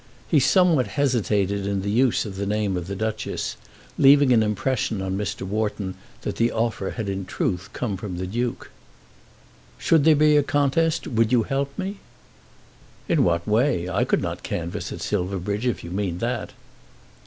He somewhat hesitated in the use of the name of the Duchess, leaving an impression on Mr. Wharton that the offer had in truth come from the Duke. "Should there be a contest, would you help me?" "In what way? I could not canvass at Silverbridge, if you mean that."